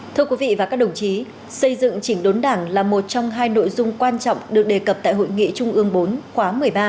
thưa quý vị và các đồng chí xây dựng chỉnh đốn đảng là một trong hai nội dung quan trọng được đề cập tại hội nghị trung ương bốn khóa một mươi ba